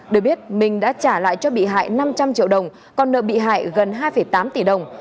để biết minh đã trả lại cho bị hại năm trăm linh triệu đồng còn nợ bị hại gần hai tám tỷ đồng